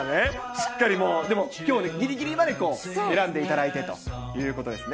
しっかり、でもきょうぎりぎりまで選んでいただいてということですね。